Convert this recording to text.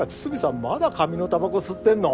まだ紙のタバコ吸ってんの。